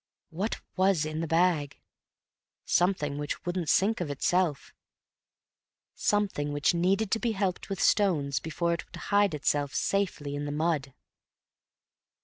What was in the bag? Something which wouldn't sink of itself; something which needed to be helped with stones before it would hide itself safely in the mud.